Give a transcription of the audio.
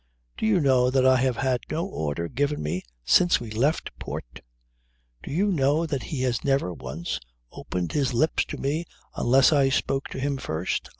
Do you know that I have had no order given me since we left port? Do you know that he has never once opened his lips to me unless I spoke to him first?